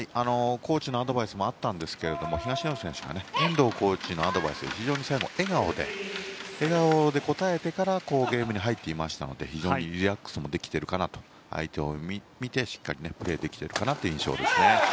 コーチのアドバイスもあったんですけども東野選手が遠藤コーチのアドバイスに非常に最後、笑顔で応えてからゲームに入っていましたので非常にリラックスもできているかなと相手を見て、しっかりとプレーできている印象ですね。